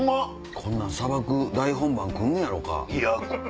こんなん捌く大本番来んねやろか？